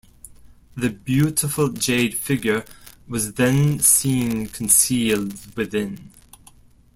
The beautiful jade figure was then seen concealed within.